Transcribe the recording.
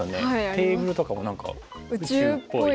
テーブルとかも何か宇宙っぽい。